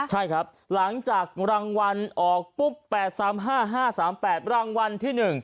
ใช่ครับหลังจากรางวัลออกปุ๊บ๘๓๕๕๓๘รางวัลที่๑